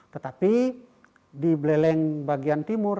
tetapi di beleleng bagian timur